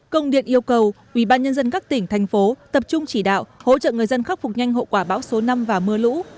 công điện yêu cầu ubnd các tỉnh thành phố tập trung chỉ đạo hỗ trợ người dân khắc phục nhanh hậu quả bão số năm và mưa lũ